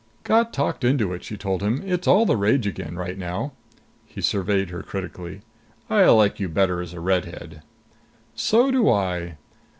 "Got talked into it," she told him. "It's all the rage again right now." He surveyed her critically. "I like you better as a redhead." "So do I."